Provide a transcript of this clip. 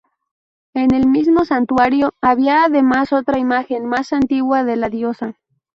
En el mismo santuario había además otra imagen más antigua de la diosa.